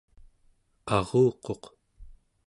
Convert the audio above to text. aruquq